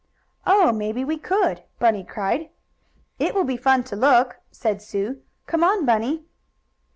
"Oh, maybe we could!" Bunny cried. "It will be fun to look!" said Sue. "Come on, Bunny."